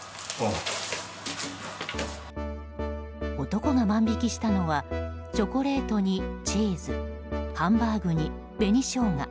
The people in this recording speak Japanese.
男が万引きしたのはチョコレートにチーズハンバーグに紅ショウガ